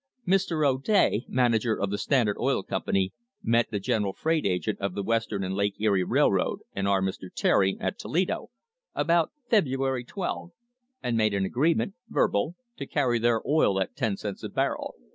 "Mr. O'Day, manager of the Standard Oil Company, met the general freight agent of the Western and Lake Erie Railroad and our Mr. Terry, at Toledo, about February 12, and made an agreement (verbal) to carry their oil at ten cents per barrel.